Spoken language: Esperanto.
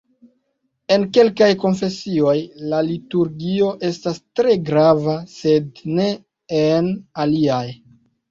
En kelkaj konfesioj, la liturgio estas tre grava, sed ne en aliaj.